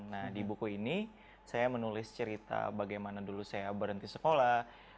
nah di buku ini saya menulis cerita bagaimana dulu saya berhenti sekolah